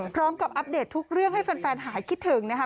พร้อมกับอัปเดตทุกเรื่องให้แฟนหายคิดถึงนะครับ